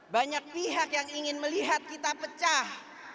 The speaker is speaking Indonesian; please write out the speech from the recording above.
banyak pihak yang ingin melihat kita pecah